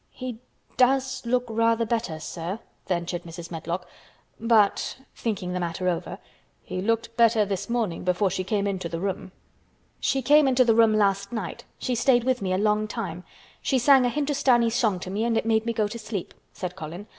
"He does look rather better, sir," ventured Mrs. Medlock. "But"—thinking the matter over—"he looked better this morning before she came into the room." "She came into the room last night. She stayed with me a long time. She sang a Hindustani song to me and it made me go to sleep," said Colin.